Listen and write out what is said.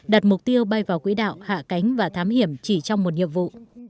đặt mục tiêu bay vào quỹ đạo hạ cánh và thám hiểm chỉ trong một nhiệm vụ